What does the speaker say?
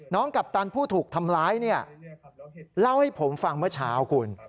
กัปตันผู้ถูกทำร้ายเนี่ยเล่าให้ผมฟังเมื่อเช้าคุณ